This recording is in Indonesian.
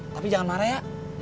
tapi jangan marah ya